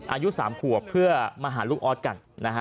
อายุ๓ขวบเพื่อมาหาลูกออสกันนะฮะ